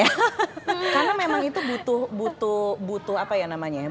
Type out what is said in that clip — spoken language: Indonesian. karena memang itu butuh butuh butuh apa ya namanya ya